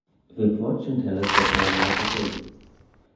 The fortune-tellers had no more to say.